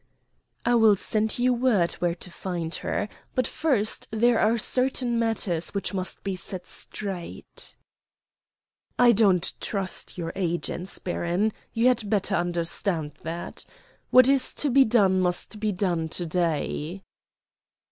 "I will send you word where to find her. But, first, there are certain matters which must be set straight." "I don't trust your agents, baron; you had better understand that. What is to be done must be done to day."